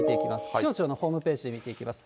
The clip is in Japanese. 気象庁のホームページで見ていきます。